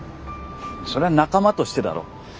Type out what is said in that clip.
それは仲間としてだろ？